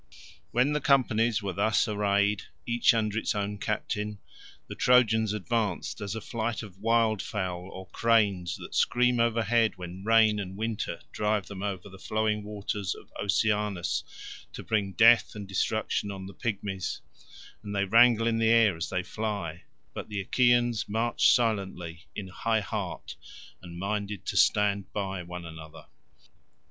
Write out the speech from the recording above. When the companies were thus arrayed, each under its own captain, the Trojans advanced as a flight of wild fowl or cranes that scream overhead when rain and winter drive them over the flowing waters of Oceanus to bring death and destruction on the Pygmies, and they wrangle in the air as they fly; but the Achaeans marched silently, in high heart, and minded to stand by one another.